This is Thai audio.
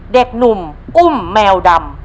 เด็กหนุ่มอุ้มแมวดำ